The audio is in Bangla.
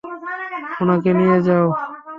উনাকে নিয়ে যাও।